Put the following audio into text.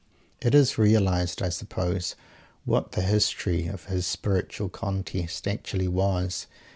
It is realized, I suppose, what the history of his spiritual contest actually was?